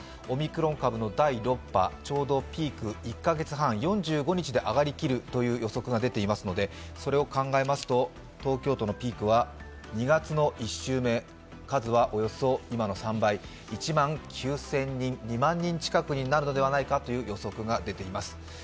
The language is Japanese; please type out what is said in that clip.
オミクロン株の第６波、ちょうどピーク４５日で上がりきるという予測が出ていますのでそれを考えますと東京都のピークは２月の１週目、数はおよそ今の３倍、１万９０００人、２万人近くになるのではないかという予測が出ています。